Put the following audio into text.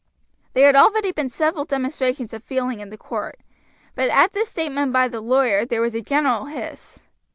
There had already been several demonstrations of feeling in court, but at this statement by the lawyer there was a general hiss.